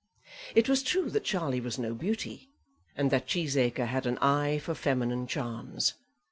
It was true that Charlie was no beauty, and that Cheesacre had an eye for feminine charms.